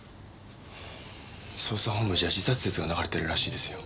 捜査本部じゃ自殺説が流れてるらしいですよ。